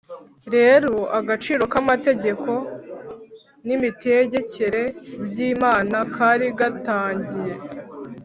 rero agaciro k amategeko n imitegekere by Imana kari gatangiye